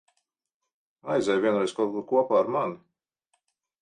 Aizej vienreiz kaut kur kopā ar mani.